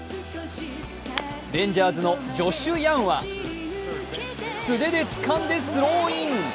レンジャーズのジョシュ・ヤンは、素手でつかんでスローイン。